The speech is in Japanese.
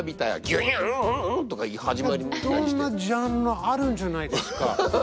どんなジャンルもあるんじゃないですか。